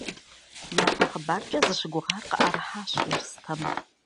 Япэ хъыбаркӏэ зыщыгугъар къыӏэрыхьащ Ерстэм.